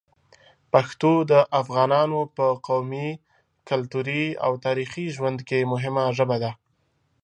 پښتو د افغانانو په قومي، کلتوري او تاریخي ژوند کې مهمه ژبه ده.